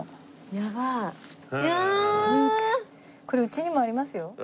これうちにもありますよ。